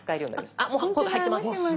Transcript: あっもう入ってます。